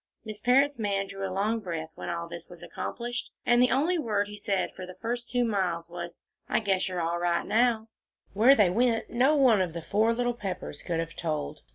Miss Parrott's man drew a long breath when all this was accomplished, and the only word he said for the first two miles was, "I guess you're all right now." Where they went, no one of the four little Peppers could have told.